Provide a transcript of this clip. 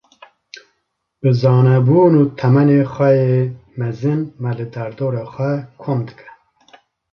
Bi zanebûn û temenê xwe yê mezin, me li derdora xwe kom dike.